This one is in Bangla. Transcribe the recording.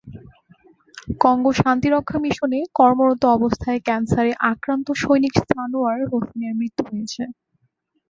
কঙ্গো শান্তিরক্ষা মিশনে কর্মরত অবস্থায় ক্যানসারে আক্রান্ত সৈনিক সানোয়ার হোসেনের মৃত্যু হয়েছে।